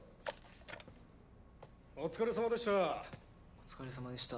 お疲れさまでした。